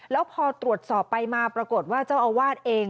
แล้วพอตรวจสอบไปมาปรากฏว่าเจ้าอาวาสเอง